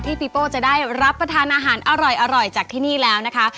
ปีโป้จะได้รับประทานอาหารอร่อยจากที่นี่แล้วนะคะ